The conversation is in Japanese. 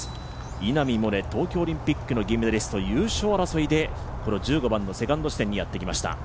稲見萌寧、東京オリンピックの銀メダリスト、優勝争いで、この１５番のセカンド地点にやってきました。